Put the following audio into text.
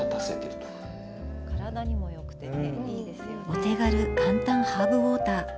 お手軽簡単ハーブウォーター。